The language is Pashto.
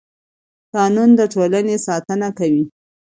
قانون د ټولنې ساتنه کوي